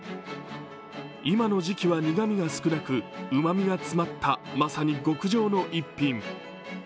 今の時期は苦みが少なくうまみが詰まったまさに極上の１品。